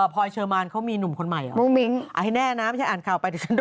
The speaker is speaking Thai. พอยเชิงบานเขามีหนุ่มคนใหม่เพื่อนไหร่ห็ด